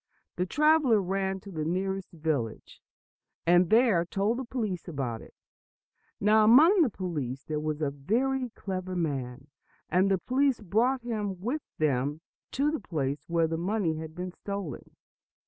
The traveler ran to the nearest village, and there told the police about it. Now, among the police there was a very clever man, and the police brought him with them to the place where the money had been stolen.